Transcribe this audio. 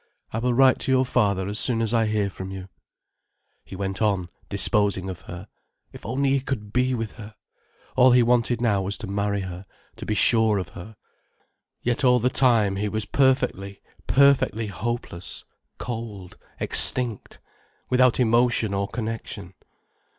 I will write to your father as soon as I hear from you——" He went on, disposing of her. If only he could be with her! All he wanted now was to marry her, to be sure of her. Yet all the time he was perfectly, perfectly hopeless, cold, extinct, without emotion or connection.